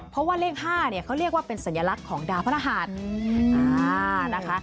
เพราะว่าเลข๕เขาเรียกว่าเป็นสัญลักษณ์ของดาวพระนาหาร